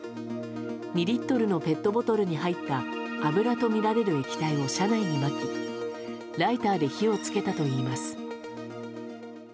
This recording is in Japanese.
２リットルのペットボトルに入った油とみられる液体を車内にまきライターで火をつけたといいます。